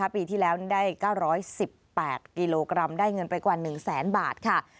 ปีที่แล้วได้๙๑๘กิโลกรัมได้เงินไปกว่า๑แสนบาทค่ะ